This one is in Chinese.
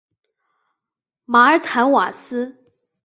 马尔坦瓦斯。